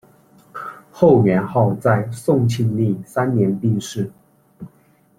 后元昊在宋庆历三年病逝。